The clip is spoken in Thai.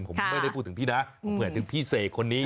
ผมไม่ได้พูดถึงพี่นะผมเหมือนถึงพี่เสกคนนี้